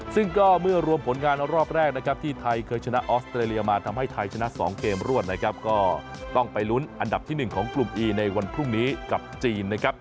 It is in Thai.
ซึ่งก็เมื่อรวมผลงานรอบแรกนะครับที่ไทยเคยชนะออสเตรเลียมาทำให้ไทยชนะ๒เกมรวดนะครับก็ต้องไปลุ้นอันดับที่๑ของกลุ่มอีในวันพรุ่งนี้กับจีนนะครับ